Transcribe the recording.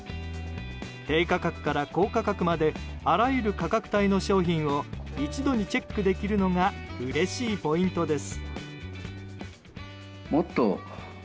低価格から高価格まであらゆる価格帯の商品を１度にチェックできるのがうれしいポイントです。